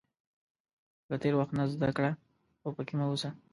• له تېر وخت نه زده کړه، خو پکې مه اوسه.